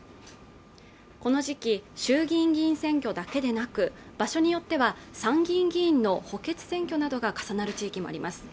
この時期衆議院議員選挙だけでなく場所によっては参議院議員の補欠選挙などが重なる地域もあります